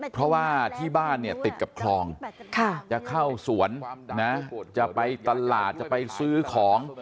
เพราะว่าที่บ้านเนี่ยติดกับคลองจะเข้าสวนนะจะไปตลาดจะไปซื้อของ